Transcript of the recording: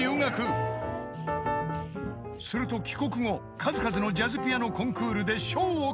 ［すると帰国後数々のジャズピアノコンクールで賞を獲得］